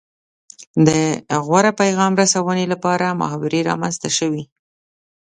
د غوره پیغام رسونې لپاره محاورې رامنځته شوې